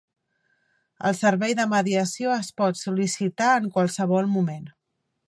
El servei de mediació es pot sol·licitar en qualsevol moment.